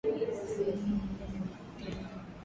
Wanyama wengine wanaoathiriwa